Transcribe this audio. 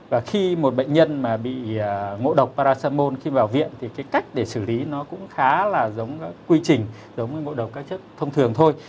và khi một bệnh nhân mà bị mộ độc paracetamol khi vào viện thì cái cách để xử lý nó cũng khá là giống quy trình giống như mộ độc các chất thông thường thôi